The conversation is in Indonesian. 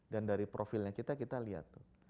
dan dari profilnya kita kita lihat